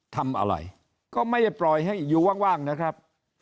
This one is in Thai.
ทำอะไรก็ไม่ได้ปล่อยให้อยู่ว่างนะครับ